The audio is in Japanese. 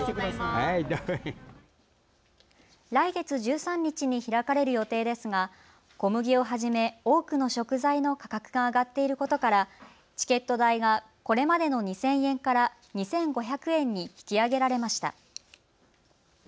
来月１３日に開かれる予定ですが小麦をはじめ多くの食材の価格が上がっていることからチケット代がこれまでの２０００円から２５００円に引き上げられました。